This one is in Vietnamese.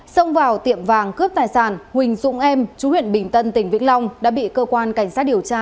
xông vào tiệm vàng cướp tài sản huỳnh dũng em chú huyện bình tân tỉnh vĩnh long đã bị cơ quan cảnh sát điều tra